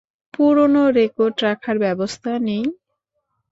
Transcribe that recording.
পুরনো রেকর্ড রাখার ব্যবস্থা নেই?